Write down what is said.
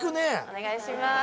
お願いします